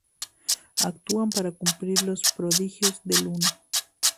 Actúan para cumplir los prodigios del Uno.